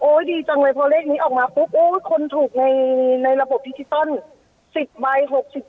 โอ้ยดีจังเลยพอเลขนี้ออกมาปุ๊บโอ้ยคนถูกในในระบบดิจิตอลสิบใบหกสิบ